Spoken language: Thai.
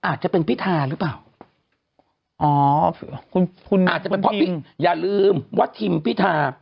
อาจจะเป็นพิธาหรือเปล่าอ๋อคุณคุณอาจจะเป็นเพราะอย่าลืมว่าทิมพิธา